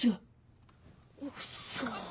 嘘。